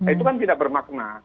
itu kan tidak bermakna